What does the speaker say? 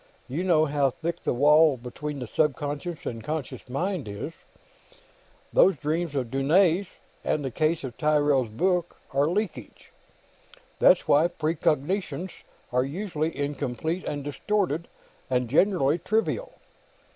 You know how thick the wall between the subconscious and the conscious mind is. These dreams of Dunne's, and the cases in Tyrrell's book, are leakage. That's why precognitions are usually incomplete and distorted, and generally trivial.